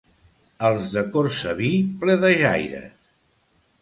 Els de Cortsaví, pledejaires.